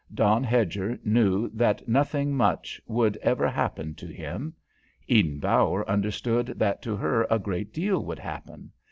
Don Hedger knew that nothing much would ever happen to him. Eden Bower understood that to her a great deal would happen.